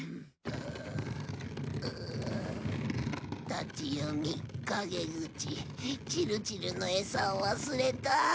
立ち読み陰口チルチルのエサを忘れた。